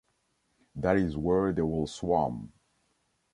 That is where they will swarm.